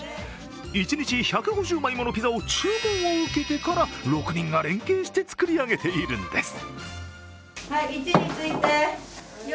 一日１５０枚ものピザを注文を受けてから６人が連携して作り上げているんです。